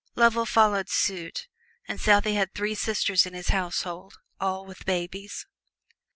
Lovell soon followed suit, and Southey had three sisters in his household, all with babies.